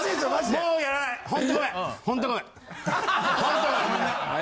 もうやらない！